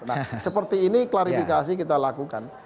nah seperti ini klarifikasi kita lakukan